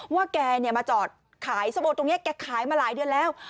ว่าแกมาจอดขายสโมตรงนี้แกขายมาหลายเดือนแล้ว